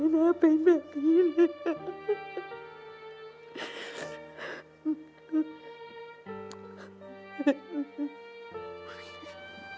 ขอบคุณครับ